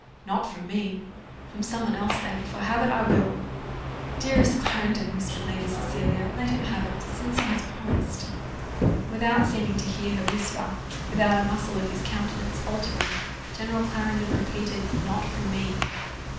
"Not from me." "From some one else then, for have it I WILL. "Dearest Clarendon," whispered Lady Cecilia, "let him have it, since he has promised " Without seeming to hear her whisper, without a muscle of his countenance altering, General Clarendon repeated, "Not from me."